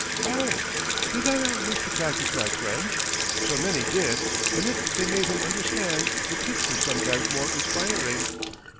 Oh! Did I not wish to practise my French? So many did, and if they made him understand, the tips were sometimes more inspiring.